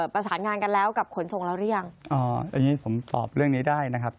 ประสานงานกันแล้วกับขนทรงเรายังอ๋ออย่างงี้ผมตอบเรื่องนี้ได้นะครับ